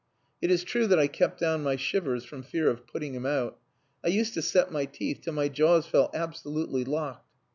It is true that I kept down my shivers from fear of putting him out. I used to set my teeth till my jaws felt absolutely locked.